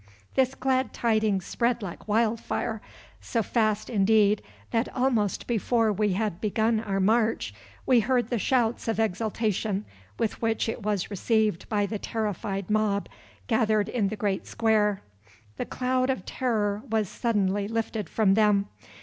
This glad tidings spread like wildfire; so fast, indeed, that almost before we had begun our march, we heard the shouts of exultation with which it was received by the terrified mob gathered in the great square. The cloud of terror was suddenly lifted from them.